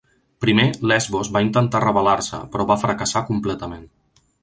Primer, Lesbos va intentar rebel·lar-se, però va fracassar completament.